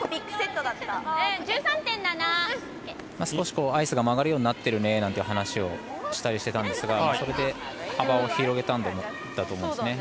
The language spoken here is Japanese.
少しアイスが曲がるようになっているねという話をしたりしてたんですがそれで幅を広げたんだと思います。